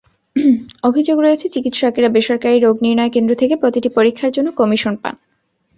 অভিযোগ রয়েছে, চিকিৎসকেরা বেসরকারি রোগনির্ণয় কেন্দ্র থেকে প্রতিটি পরীক্ষার জন্য কমিশন পান।